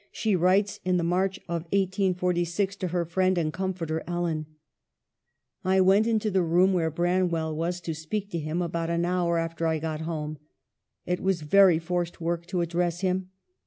She writes in the March of 1846 to her friend and comforter, Ellen :" I went into the room where Branwell was, to speak to him, about a hour after I got home ; it was very forced work to address him.